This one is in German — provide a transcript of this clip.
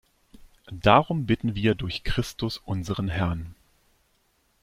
Darum bitten wir durch Christus unseren Herrn.